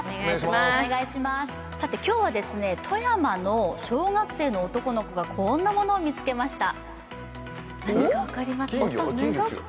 今日は富山の小学生の男の子がこんなものを見つけました。